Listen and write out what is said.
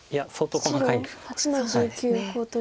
いや相当細かいです。